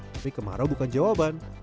tapi kemarau bukan jawaban